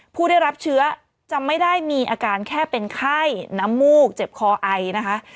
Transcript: ผู้ได้รับเชื้อจะไม่ได้มีอาการแค่เป็นไข้น้ำมูกเจ็บคอไอนะคะ